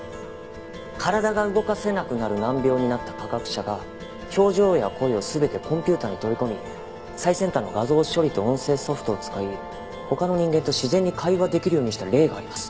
体が動かせなくなる難病になった科学者が表情や声を全てコンピューターに取り込み最先端の画像処理と音声ソフトを使い他の人間と自然に会話できるようにした例があります。